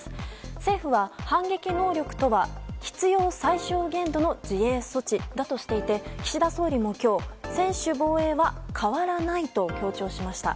政府は、反撃能力とは必要最小限度の自衛措置だとしていて岸田総理も今日専守防衛は変わらないと強調しました。